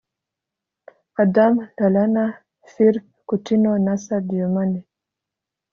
Adam Lalana Philippe Coutinho na Sadio Mane